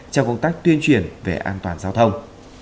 trong công tác tuyên truyền về an toàn giao thông